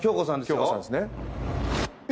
杏子さんですね。